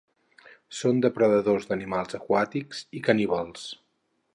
Són depredadores d'animals aquàtics i caníbals.